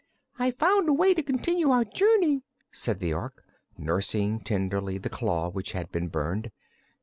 "I found a way to continue our journey," said the Ork, nursing tenderly the claw which had been burned.